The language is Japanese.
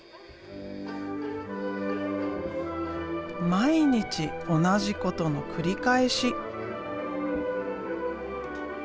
毎日同じことの繰り返し。